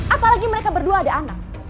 apalagi mereka berdua ada anak